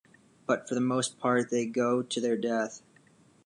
But for the most part they go to their death.